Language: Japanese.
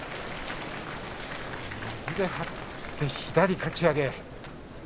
右で張って、左かち上げ。